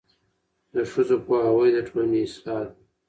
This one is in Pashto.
د ښځو پوهاوی د ټولنې اصلاح ده.